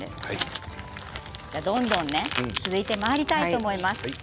どんどん続いてまいりたいと思います。